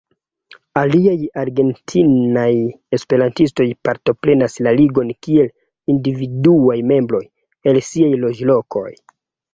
Aliaj argentinaj esperantistoj partoprenas la Ligon kiel individuaj membroj, el siaj loĝlokoj.